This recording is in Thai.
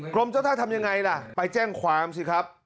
กรมเจ้าท่าทำยังไงล่ะไปแจ้งความสิครับ